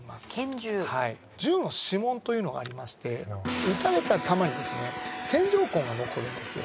銃には指紋というものがありまして撃たれた弾に線条痕が残るんですよ。